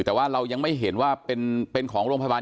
แต่ว่าเรายังไม่เห็นว่าเป็นของโรงพยาบาล